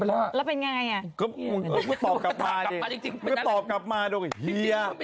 คือเอาง่ายมันเป็นคำที่แบบเหมือนสมมุติว่าเราพิมพ์อะไรมั่วไปแล้วคุณก็จะถามกลับมาว่า